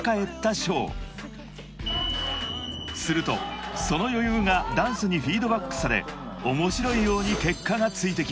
［するとその余裕がダンスにフィードバックされ面白いように結果が付いてきました］